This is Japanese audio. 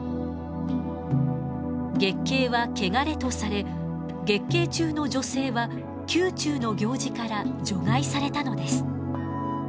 月経は穢れとされ月経中の女性は宮中の行事から除外されたのです。